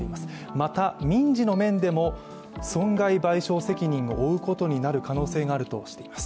また民事の面でも損害賠償責任を負うことになる可能性があるとしています。